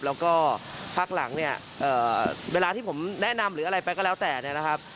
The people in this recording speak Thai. แล้วก็พักหลังเนี่ยเวลาที่ผมแนะนำหรืออะไรไปก็แล้วแต่เนี่ยนะครับ